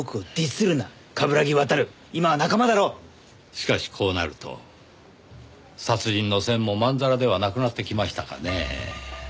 しかしこうなると殺人の線もまんざらではなくなってきましたかねぇ。